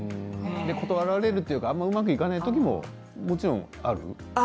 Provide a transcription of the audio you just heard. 断られるというかあまり、うまくいかない時ももちろんある？